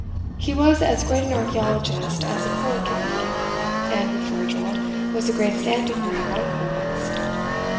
He was as great an archeologist as a poet can be, and, with Virgil, was the greatest antiquary among poets.